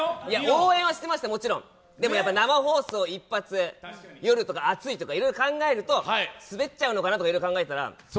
応援はしてました、もちろん、でも生放送一発夜とか暑いとかいろいろ考えると滑っちゃうのかなと考えると。